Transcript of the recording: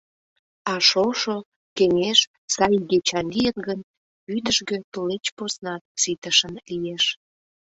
А шошо, кеҥеж сай игечан лийыт гын, вӱдыжгӧ тулеч поснат ситышын лиеш.